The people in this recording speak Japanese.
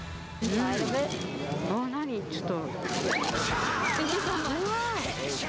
何、ちょっと。